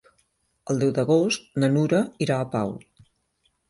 El deu d'agost na Nura irà a Pau.